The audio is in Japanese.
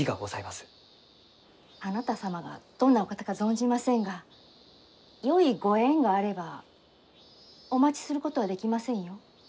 あなた様がどんなお方か存じませんがよいご縁があればお待ちすることはできませんよ。